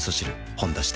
「ほんだし」で